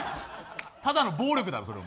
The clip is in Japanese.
ただの暴力だろ。